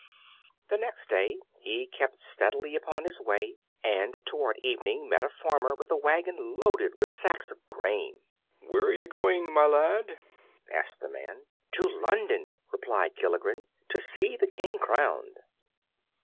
The next day he kept steadily upon his way, and toward evening met a farmer with a wagon loaded with sacks of grain. "Where are you going, my lad?" asked the man. "To London," replied Gilligren, "to see the King crowned."